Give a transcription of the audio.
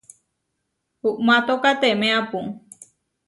Uʼmátokatemeapu.